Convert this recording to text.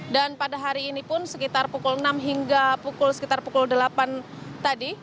pada hari ini pun sekitar pukul enam hingga pukul sekitar pukul delapan tadi